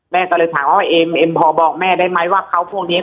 แม่ก็เลยถามว่าเอ็มเอ็มพอบอกแม่ได้ไหมว่าเขาพวกนี้